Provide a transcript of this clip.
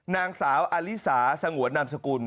นางสาวอลิสาสงวนนามสกุล